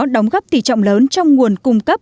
đóng góp tỷ trọng lớn trong nguồn cung cấp